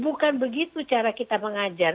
bukan begitu cara kita mengajar